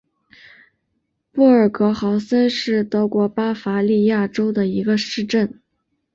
布尔格豪森是德国巴伐利亚州的一个市镇。